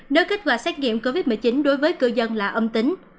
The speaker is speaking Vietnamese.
nếu kết quả xét nghiệm covid một mươi chín đối với cư dân là âm tính